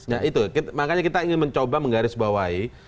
nah itu makanya kita ingin mencoba menggarisbawahi